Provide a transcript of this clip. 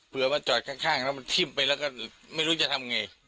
ว่าจอดข้างแล้วมันทิ้มไปแล้วก็ไม่รู้จะทำไง